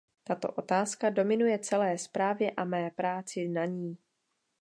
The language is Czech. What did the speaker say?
Tato otázka dominuje celé zprávě a mé práci na ní.